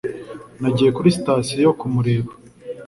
nagiye kuri sitasiyo kumureba